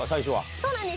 そうなんです。